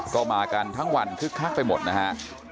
ก็มากันทั้งวันคึกคักไปหมดนะฮะ